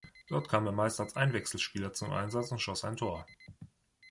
Dort kam er meist als Einwechselspieler zum Einsatz und schoss ein Tor.